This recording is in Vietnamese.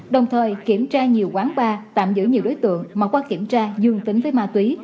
đồng thời kiểm tra nhiều quán bar tạm giữ nhiều đối tượng mà qua kiểm tra dương tính với ma túy